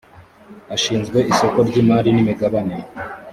ashinzwe isoko ry’imari n’imigabane